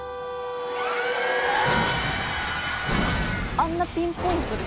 あんなピンポイントで。